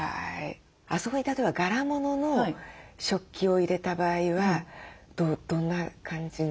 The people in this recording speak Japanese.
あそこに例えば柄物の食器を入れた場合はどんな感じの？